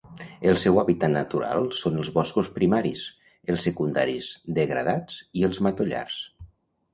El seu hàbitat natural són els boscos primaris, els secundaris degradats i els matollars.